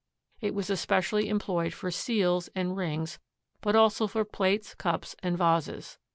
It was especially employed for seals and rings, but also for plates, cups and vases.